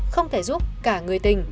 không thể giúp cả người tình